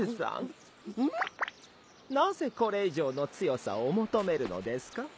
なぜこれ以上の強さを求めるのですか？